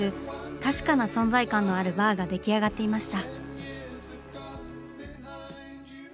確かな存在感のあるバーが出来上がっていました。